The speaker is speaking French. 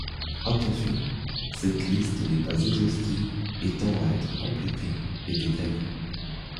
Attention, cette liste n'est pas exhaustive et tend à être complétée et détaillée.